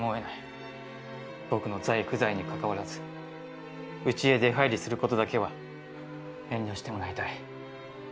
僕の在不在にかかわらず、うちへ出入りする事だけは遠慮してもらいたい」。